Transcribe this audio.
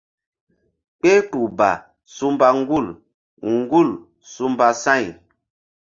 Kpehkpuh ba su mba ŋgul ŋgul su mba sa̧y.